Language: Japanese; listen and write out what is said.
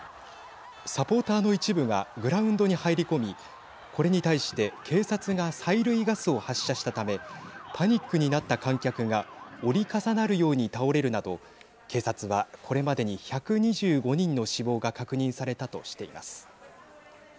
サポーターの一部がグラウンドに入り込みこれに対して警察が催涙ガスを発射したためパニックになった観客が折り重なるように倒れるなど警察は、これまでに１２５人の死亡が確認されたとしています。